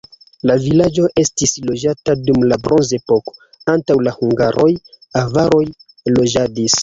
La vilaĝo estis loĝata dum la bronzepoko, antaŭ la hungaroj avaroj loĝadis.